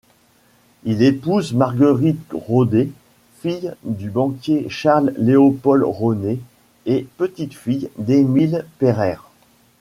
Il épouse Marguerite Rhoné, fille du banquier Charles Léopold Rhoné et petite-fille d'Émile Pereire.